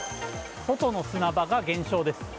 外の砂場が減少です。